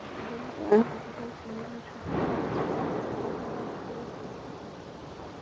গতকাল শনিবার সকালে নিজ বাড়িতে তার লাশ পড়ে থাকতে দেখা যায়।